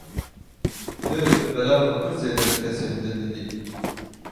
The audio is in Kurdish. Tu bela xwe pir zêde li kesên din didî.